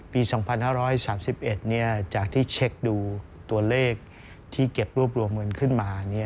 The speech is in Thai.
ปี๒๕๓๑จากที่เช็คดูตัวเลขที่เก็บรวบรวมเงินขึ้นมา